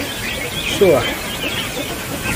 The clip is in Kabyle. Cuḥ.